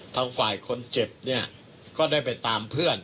ทางฝ่ายคนเจ็บเนี่ยก็ได้ไปตามเพื่อน